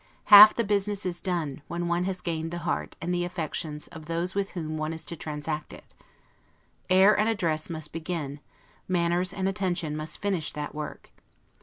Half the business is done, when one has gained the heart and the affections of those with whom one is to transact it. Air and address must begin, manners and attention must finish that work.